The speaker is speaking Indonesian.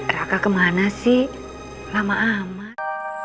raka kemana sih lama aman